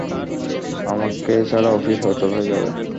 আমাকে ছাড়া অফিস অচল হয়ে যাবে।